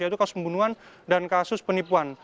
yaitu kasus pembunuhan dan kasus penipuan